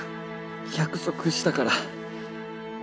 約束したから。